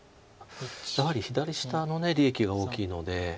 やはり左下の利益が大きいので。